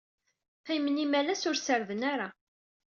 Qqimen imalas ur ssarden ara.